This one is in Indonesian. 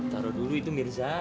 taruh dulu itu mirza